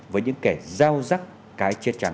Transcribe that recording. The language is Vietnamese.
với những kẻ giao rắc cái chết trắng